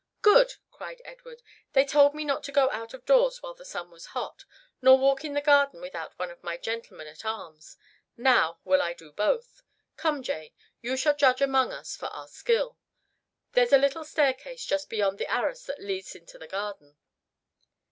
"Good!" cried Edward. "They told me not to go out of doors while the sun was hot, nor walk in the garden without one of my gentlemen at arms. Now will I do both. Come, Jane, you shall judge among us for our skill. There's a little staircase just beyond the arras that leads into the garden."